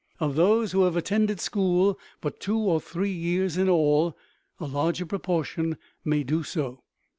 Of those who have attended school but two or three years in all, a larger proportion may do so.